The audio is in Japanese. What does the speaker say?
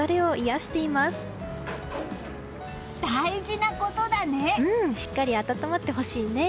しっかり暖まってほしいね。